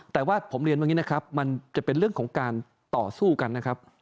แต่ว่าผมเรียนอย่างนี้นะครับมันจะเป็นเรื่องของการต่อสู้กันนะครับ